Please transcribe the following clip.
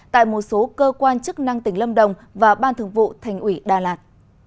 tại một số cơ quan chức năng tỉnh lâm đồng và ban thường vụ thành ủy đà lạt